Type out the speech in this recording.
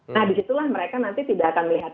nah disitulah mereka nanti tidak akan melihat